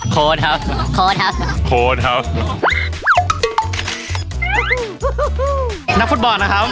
โคตรครับ